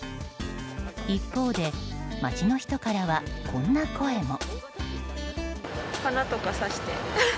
一方で、街の人からはこんな声も。